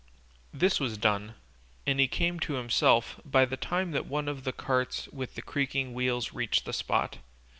This was done, and he came to himself by the time that one of the carts with the creaking wheels reached the spot.